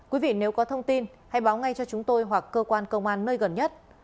quý vị nếu có thông tin hãy báo ngay cho chúng tôi hoặc cơ quan công an nơi gần nhất